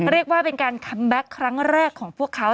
เรียกว่าเป็นการคัมแบ็คครั้งแรกของพวกเขา